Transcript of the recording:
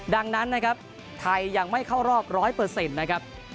ดังนั้นนะครับไทยยังไม่เข้ารอบ๑๐๐นะครับ